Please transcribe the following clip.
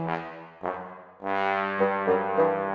mereka tiada yang kena